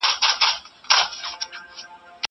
که وخت وي، موسيقي اورم!!